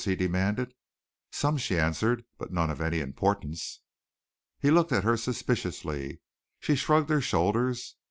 he demanded. "Some," she answered, "but none of any importance." He looked at her suspiciously. She shrugged her shoulders.